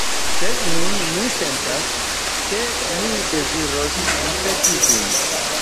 Sed nun mi sentas, ke mi deziros ripeti ĝin.